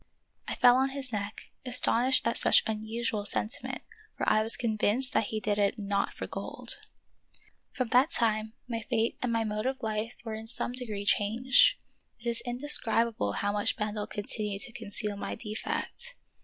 I fell on his neck, astonished at such unusual sentiment, for I was convinced that he did it not for gold. From that time my fate and my mode of life were in some degree changed. It is indescribable how much Bendel continued to conceal my defect.